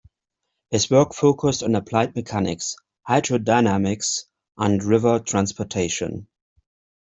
His work focused on applied mechanics, hydrodynamics and river transportation.